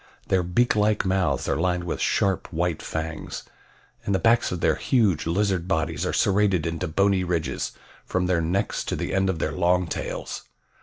Their beak like mouths are lined with sharp, white fangs, and the backs of their huge, lizard bodies are serrated into bony ridges from their necks to the end of their long tails.